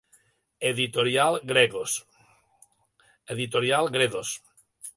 Editorial Gredos.